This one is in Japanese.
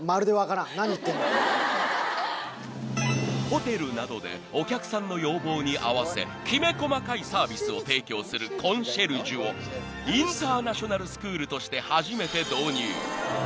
［ホテルなどでお客さんの要望に合わせきめ細かいサービスを提供するコンシェルジュをインターナショナルスクールとして初めて導入］